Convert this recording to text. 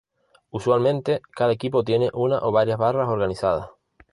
Usualmente, cada equipo tiene una o varias barras organizadas.